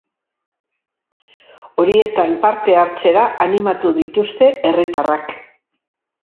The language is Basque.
Horietan parte hartzera animatu dituzte herritarrak.